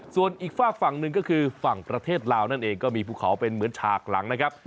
ส่วนอีกฝากฝั่งหนึ่งก็คือฝั่งประเทศลาวนั่นเองก็มีภูเขาเป็นเหมือนฉากหลังนะครับ